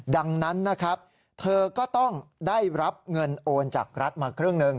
ดังนั้นนะครับเธอก็ต้องได้รับเงินโอนจากรัฐมาครึ่งหนึ่ง